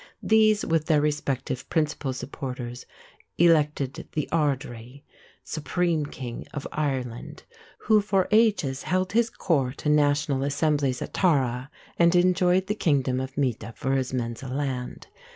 These, with their respective principal supporters, elected the ard ri "supreme king", of Ireland, who for ages held his court and national assemblies at Tara and enjoyed the kingdom of Meath for his mensal land.